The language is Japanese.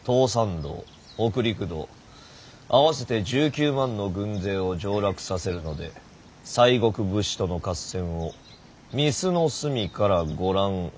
北陸道合わせて１９万の軍勢を上洛させるので西国武士との合戦を御簾の隅からご覧あれ。